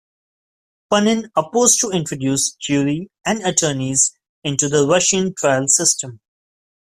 Panin opposed to introduce jury and attorneys into the Russian trial system.